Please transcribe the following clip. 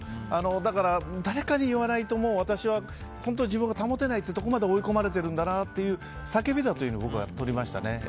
だから誰かに言わないともう私は自分が保てないっていうところまで追い込まれているんだなと叫びだというふうに僕はとりましたね。